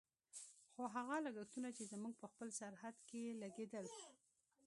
خو هغه لګښتونه چې زموږ په خپل سرحد کې لګېدل.